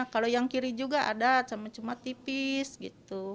kalau yang kiri juga ada cuma tipis gitu